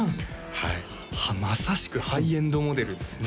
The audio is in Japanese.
はいまさしくハイエンドモデルですね